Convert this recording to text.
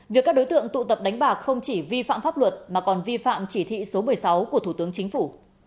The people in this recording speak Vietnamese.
việc các đối tượng tụ tập đánh bạc không chỉ vi phạm pháp luật mà còn vi phạm chỉ thị số một mươi sáu của thủ tướng chính phủ